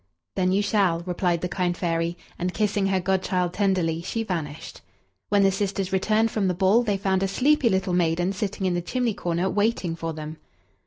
"Then you shall," replied the kind fairy, and, kissing her godchild tenderly, she vanished. When the sisters returned from the ball, they found a sleepy little maiden sitting in the chimney corner, waiting for them.